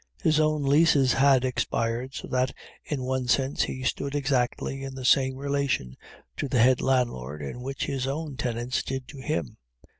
His own leases had expired, so that, in one sense, he stood exactly in the same relation to the head landlord, in which his own tenants did to him.